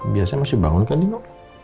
biasanya masih bangun kan nino